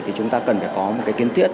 thì chúng ta cần phải có một kiến thiết